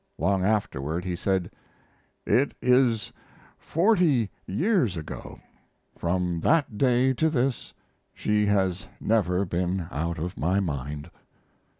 Long afterward he said: "It is forty years ago. From that day to this she has never been out of my mind."